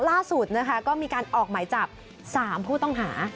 ล่าสุดนะคะก็มีการออกหมายจับ๓ผู้ต้องหา